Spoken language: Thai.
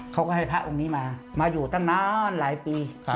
เขาก็ให้พระองค์นี้มามาอยู่ตั้งนานหลายปี